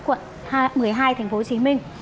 quận một mươi hai tp hcm